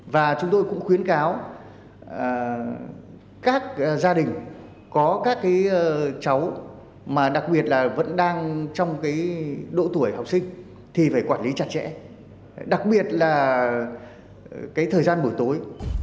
và chúng tôi cũng khuyến cáo các gia đình có các cháu mà đặc biệt là vẫn đang trong cái độ tuổi học sinh thì phải quản lý chặt chẽ đặc biệt là cái thời gian buổi tối